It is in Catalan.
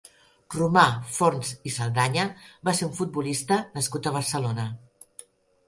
Romà Forns i Saldaña va ser un futbolista nascut a Barcelona.